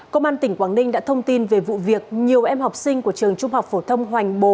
công an tỉnh quảng ninh đã thông tin về vụ việc nhiều em học sinh của trường trung học phổ thông hoành bồ